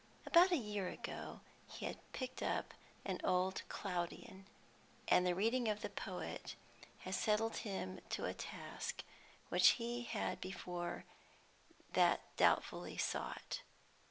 About a year ago, he had picked up an old Claudian, and the reading of the poet had settled him to a task which he had before that doubtfully sought.